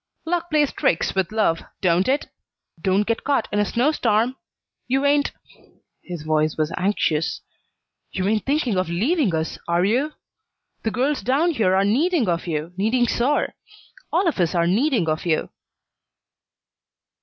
Luck plays tricks with love, don't it? Don't get caught in a snow storm. You ain't" his voice was anxious "you ain't thinking of leaving us, are you? The girls down here are needing of you, needing sore. All of us are needing of you."